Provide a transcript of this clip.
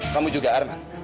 kamu juga arman